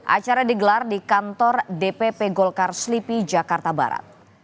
acara digelar di kantor dpp golkar slipi jakarta barat